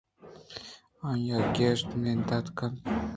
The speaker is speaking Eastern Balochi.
آئی ءَگیش کنداِت نہ کُت